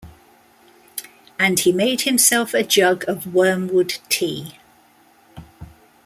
And he made himself a jug of wormwood tea.